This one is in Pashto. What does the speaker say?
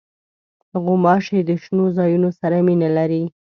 غوماشې د شنو ځایونو سره مینه لري.